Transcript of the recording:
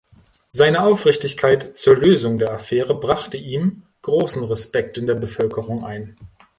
Seine Aufrichtigkeit zur Lösung der Affäre brachte ihm großen Respekt in der Bevölkerung ein.